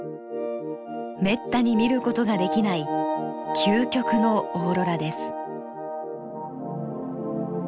めったに見ることができない究極のオーロラです。